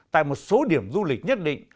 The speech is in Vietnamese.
tại một số điểm du lịch nhất định